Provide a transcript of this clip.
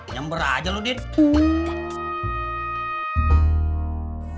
semuanya sudah bumi banget